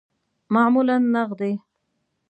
معمولاً نغدی